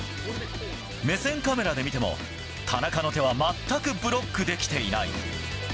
目線カメラで見ても、田中の手は全くブロックできていない。